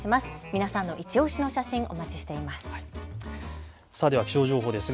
皆さんのいちオシの写真、お待ちしています。